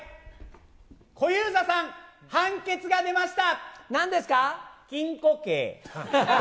小遊三さん、判決が出ました。